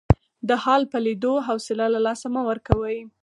د حال په لیدو حوصله له لاسه مه ورکوئ.